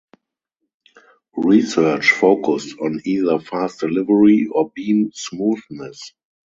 Research focused on either fast delivery or beam smoothness.